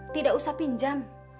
tidak usah pinjam